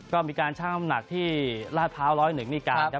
ก็มีการช่างน้ำหนักที่ลาดพร้าว๑๐๑นี่การครับ